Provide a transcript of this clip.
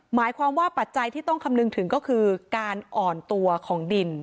หมายความว่าปัจจัยที่ต้องคำนึงถึงก็คือการอ่อนตัวของดิน